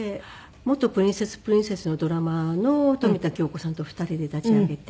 元プリンセスプリンセスのドラマーの富田京子さんと２人で立ち上げて。